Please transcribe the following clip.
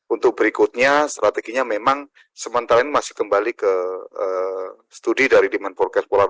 untuk berikutnya strateginya memang sementara ini masih kembali ke studi dari demand forespora